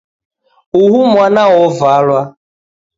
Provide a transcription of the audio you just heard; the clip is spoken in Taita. Uhu mwana wovalwa .